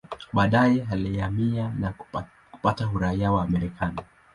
Baadaye alihamia na kupata uraia wa Marekani.